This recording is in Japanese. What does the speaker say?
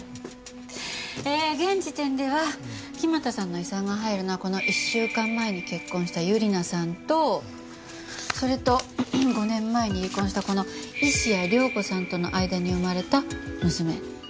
ええ現時点では木俣さんの遺産が入るのはこの１週間前に結婚したゆり菜さんとそれと５年前に離婚したこの石矢涼子さんとの間に生まれた娘。